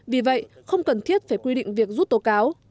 vì vậy không cần thiết phải quy định việc rút tố cáo